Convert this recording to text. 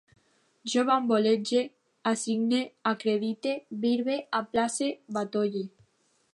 Jo bambolege, assigne, acredite, birbe, aplace, batolle